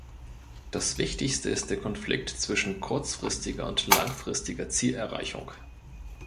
Das wichtigste ist der Konflikt zwischen kurzfristiger und langfristiger Zielerreichung.